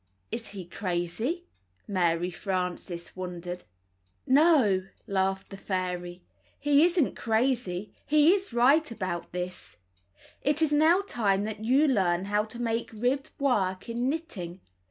"Is he crazy?" Mary Frances wondered. "No," laughed the fairy, "he isn't crazy. He is v right about this; it is now time that you learn how to make ribbed work in knitting.